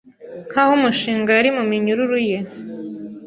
nkaho umushinga yari muminyururu ye